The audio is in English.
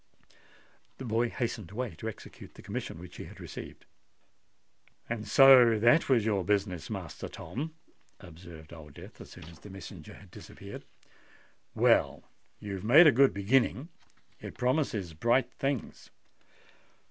The boy hastened away to execute the commission which he had received. "And so that was your business, Master Tom?" observed Old Death, as soon as the messenger had disappeared. "Well—you have made a good beginning: it promises bright things."